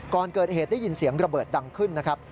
ก่อนเกิดเหตุได้ยินเสียงระเบิดดังขึ้นนะครับ